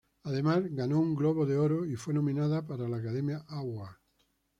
Además, ganó un Globo de Oro y fue nominado para la Academy Award.